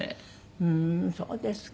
ふーんそうですか。